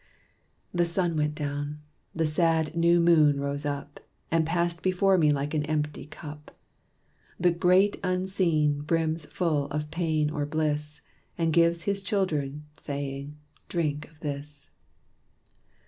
The sun went down. The sad new moon rose up, And passed before me, like an empty cup, The Great Unseen brims full of pain or bliss, And gives His children, saying, "Drink of this."